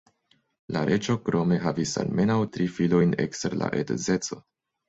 La reĝo krome havis almenaŭ tri filojn ekster la edzeco.